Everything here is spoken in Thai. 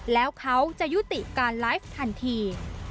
แล้วเขาจะยุติการไลฟ์ทันที